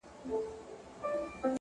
پوهه د انسان تلپاتې ملګرې ده.!